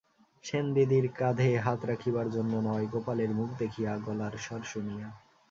সেনদিদির কাধে হাত রাখিবার জন্য নয়, গোপালের মুখ দেখিয়া, গলার স্বর শুনিয়া।